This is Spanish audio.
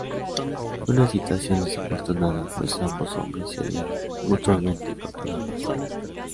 Fue una situación desafortunada, pues ambos hombres se odiaban mutuamente con toda pasión.